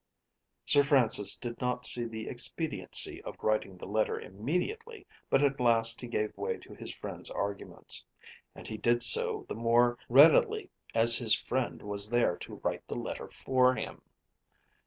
Sir Francis did not see the expediency of writing the letter immediately, but at last he gave way to his friend's arguments. And he did so the more readily as his friend was there to write the letter for him.